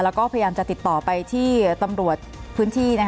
แล้วก็พยายามจะติดต่อไปที่ตำรวจพื้นที่